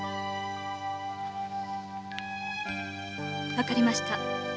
わかりました。